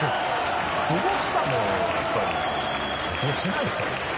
でも久保下もやっぱり卒業してないでしょまだ。